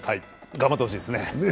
頑張ってほしいですね。